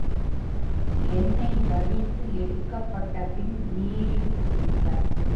எண்ணய் வழித்து எடுக்கப்பட்டபின் நீரில் குளிப்பர்.